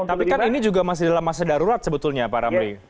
tapi kan ini juga masih dalam masa darurat sebetulnya pak ramli